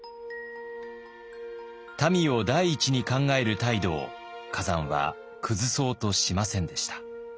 民を第一に考える態度を崋山は崩そうとしませんでした。